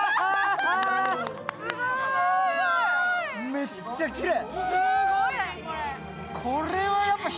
めっちゃきれい。